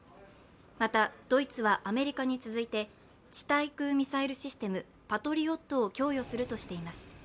また、ドイツはアメリカに続いて地対空ミサイルシステムパトリオットを供与するとしています。